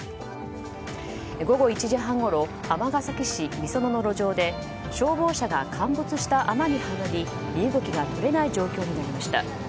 午後１時半ごろ、尼崎市の路上で消防車が陥没した穴にはまり身動きが取れない状況になりました。